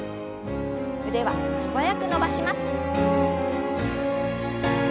腕は素早く伸ばします。